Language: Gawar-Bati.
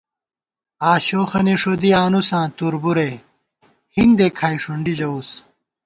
عاشوخَنی ݭُدی آنُساں تُربُورے، ہِندےکھائی ݭُنڈی ݫَوُس